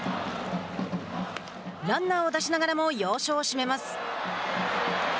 ランナーを出しながらも要所を締めます。